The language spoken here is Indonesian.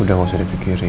udah gak usah dipikirin